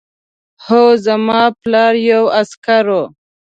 هو زما پلار یو عسکر و